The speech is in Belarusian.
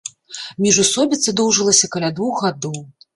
Міжусобіца доўжылася каля двух гадоў.